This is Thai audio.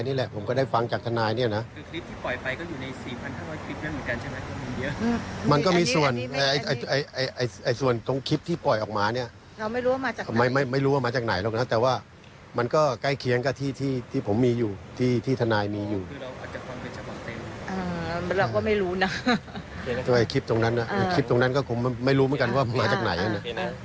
คลิปตรงนั้นนะคลิปตรงนั้นก็คงไม่รู้เหมือนกันว่ามาจากไหนนะ